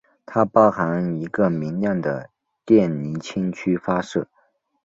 它包含一个明亮的电离氢区发射。